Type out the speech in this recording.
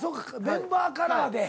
メンバーカラーで。